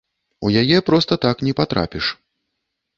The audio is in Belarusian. У яе проста так не патрапіш.